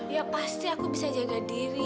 ya pasti aku bisa jaga diri